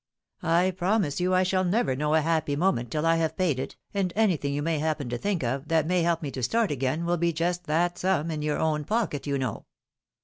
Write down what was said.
I promise you, I shall never know a happy moment till I have paid it, and anything you may happen to think of that may help me to start again, will be just that sum in your own pocket, you know."